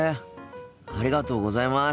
ありがとうございます。